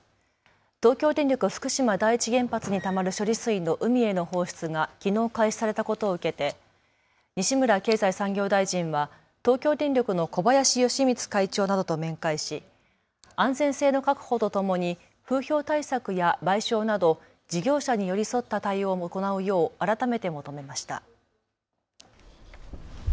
東京電力福島第一原発にたまる処理水の海への放出がきのう開始されたことを受けて西村経済産業大臣は東京電力の小林喜光会長などと面会し安全性の確保とともに風評対策や賠償など事業者に寄り添った対応を行うよう改めて求めました。